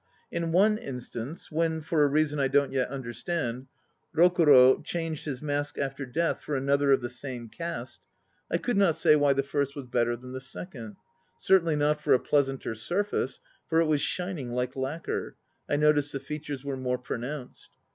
In one instance when, for a reason 1 don't yet understand, Rokuro changed his mask after death for another of the same cast, I could not say why the first was better than the second certainly not for a pleasanter surface, for it was shining like lacquer; I noticed the features were more pronounced.